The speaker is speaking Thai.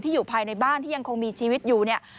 อยู่ภายในบ้านที่ยังคงมีชีวิตอยู่เนี่ย